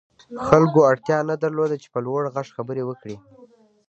خلکو اړتيا نه درلوده چې په لوړ غږ خبرې وکړي.